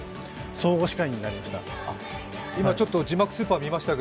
総合司会になりました。